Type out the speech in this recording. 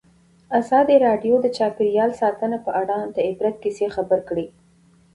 ازادي راډیو د چاپیریال ساتنه په اړه د عبرت کیسې خبر کړي.